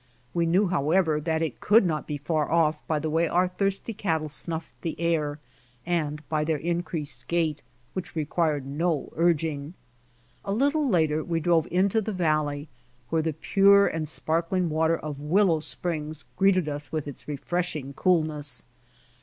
We knew, however, that it could not be far off by the way our thirsty cat tle snuffed the air, and by their increased gait, which required no urging. A little later we drove into the valley, where the pure and sparkling water of Willow springs greeted us with its refreshing coolness.